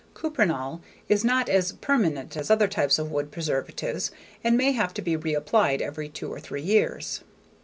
Cuprinol is not as permanent as other types of wood preservatives and may have to be reapplied every two or three years.